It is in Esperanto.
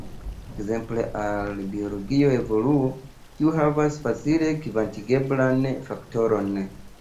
Ekzemple al biologia evoluo, kiu havas facile kvantigeblan faktoron.